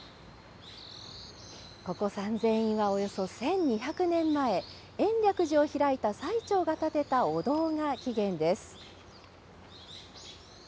ここ、三千院はおよそ１２００年前、延暦寺を開いた最澄が建てたお堂が起源です。